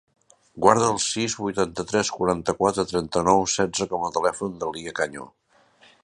Guarda el sis, vuitanta-tres, quaranta-quatre, trenta-nou, setze com a telèfon de l'Alia Caño.